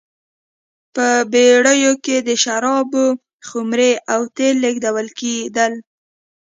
په بېړیو کې د شرابو خُمرې او تېل لېږدول کېدل.